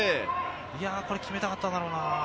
決めたかっただろうな。